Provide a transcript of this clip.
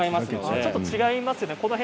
ちょっと違いますね。